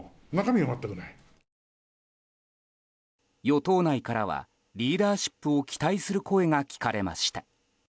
与党内からはリーダーシップを期待する声が聞かれました。